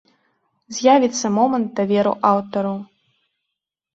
З'явіцца момант даверу аўтару!